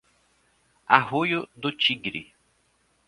Arroio do Tigre